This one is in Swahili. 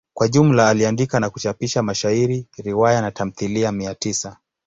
Kwa jumla aliandika na kuchapisha mashairi, riwaya na tamthilia mia tisa.